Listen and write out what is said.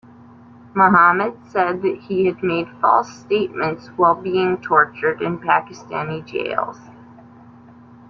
Mohamed said that he had made false statements while being tortured in Pakistani jails.